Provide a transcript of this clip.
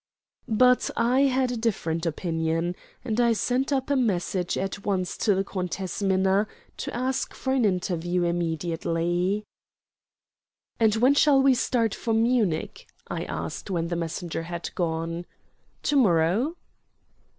But I had a different opinion; and I sent up a message at once to the Countess Minna to ask for an interview immediately. "And when shall we start for Munich?" I asked when the messenger had gone. "To morrow?"